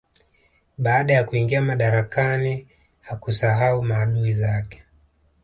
Baada ya kuingia madarakani hakusahau maadui zake